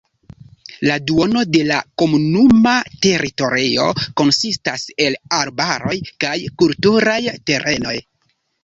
La duono de la komunuma teritorio konsistas el arbaroj kaj kulturaj terenoj.